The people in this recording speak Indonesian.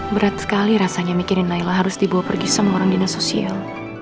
berat sekali rasanya mikirin naila harus dibawa pergi sama orang dinas sosial